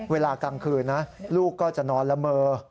เวลากลางคืนนะลูกก็จะนอนละเมอ